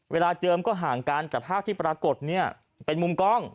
เวลาเจิมก็ห่างกันแต่ภาพที่ปรากฏเป็นมุมกล้อง